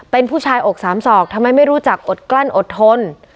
เป็นผู้ชายอกสามศอกทำไมไม่รู้จักอดกลั้นอดทน